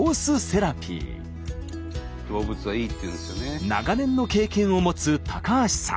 長年の経験を持つ高橋さん。